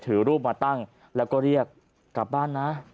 ถือรูปมาตั้งแล้วก็เรียกกลับบ้านนะ